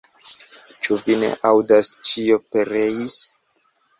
Ĉu vi ne aŭdas, ĉio pereis!